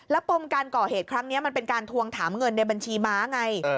ปมการก่อเหตุครั้งนี้มันเป็นการทวงถามเงินในบัญชีม้าไง